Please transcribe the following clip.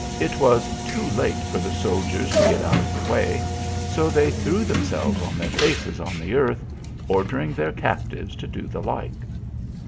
It was too late for the soldiers to get out of the way, so they threw themselves on their faces on the earth, ordering their captives to do the like.